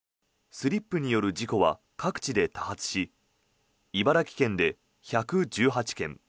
スリップによる事故は各地で多発し茨城県で１１８件